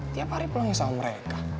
tiap hari pulang sama mereka